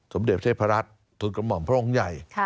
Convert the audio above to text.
สมเด็จเทพรัฐทุนกระหม่อมพระองค์ใหญ่